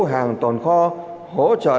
hàng tổn kho hỗ trợ